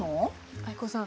藍子さん